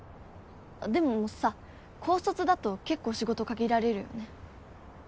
あっでもさ高卒だと結構仕事限られるよね。